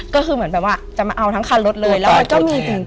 ก็คือจะมาเอาทั้งคันรถเลยแล้วมันก็มีจริง